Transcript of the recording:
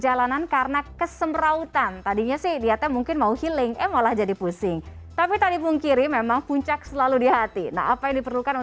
alhamdulillah selamat selalu ya